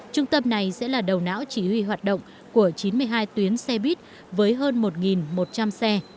trung tâm này sẽ là đầu não chỉ huy hoạt động của chín mươi hai tuyến xe buýt với hơn một một trăm linh xe